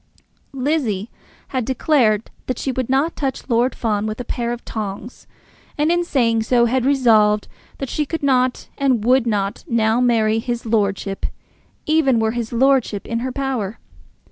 Lizzie had declared that she would not touch Lord Fawn with a pair of tongs, and in saying so had resolved that she could not and would not now marry his lordship even were his lordship in her power.